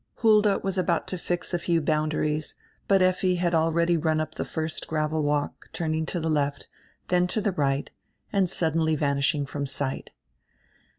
Hulda was about to fix a few boundaries, but Effi had already run up die first gravel walk, turning to die left, dien to die right, and suddenly vanishing from sight.